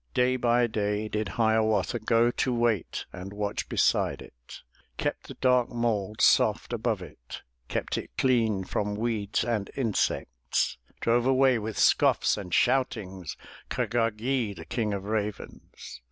Day by day did Hiawatha Go to wait and watch beside it; 388 THE TREASURE CHEST Kept the dark mould soft above it, Kept it clean from weeds and insects, Drove away, with scoffs and shoutings, Kah gah gee', the king of ravens.